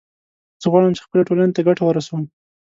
زه غواړم چې خپلې ټولنې ته ګټه ورسوم